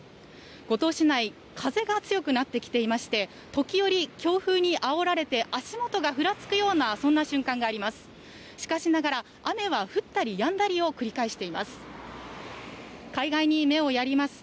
五島市内、風が強くなってきていまして時折、強風にあおられて足元がふらつくような、そんな瞬間があります。